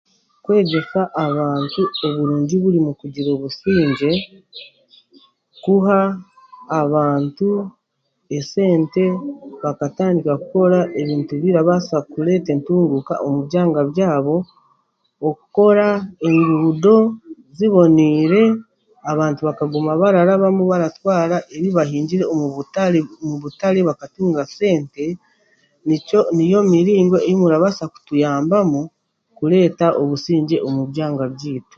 Kwegyesa abaantu ebirungi biri omu kugira obusingye, kuha abantu esente bakatindika kukora ebintu ebirabaasa kureta entunguuka omu byanga byabo, okukora enguudo ziboniire abantu bakaguma bararabamu baratwaara ebibahingire omu butare bakatunga sente, niyo miringo eyi murabaasa kutuyambamu kureta obusingye omu'byanga by'eitu.